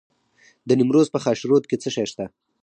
د نیمروز په خاشرود کې څه شی شته؟